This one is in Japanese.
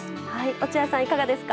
落合さん、いかがですか。